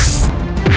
arthur bayi kalian